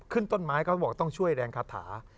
ขึ้นต้นไม้เขาบอกต้องช่วยแรงคาถา